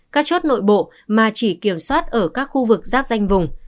các chốt nội bộ mà chỉ kiểm soát ở các khu vực giáp danh vùng